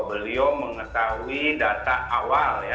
beliau mengetahui data awal